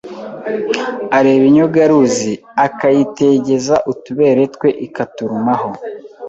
areba inyogaruzi akayitegeza utubere twe ikaturumaho